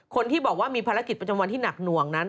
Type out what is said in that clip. คนที่บอกว่ามีภารกิจประจำวันที่หนักหน่วงนั้น